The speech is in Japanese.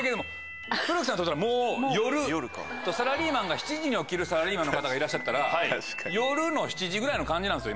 ７時に起きるサラリーマンの方がいらっしゃったら。ぐらいの感じなんですよ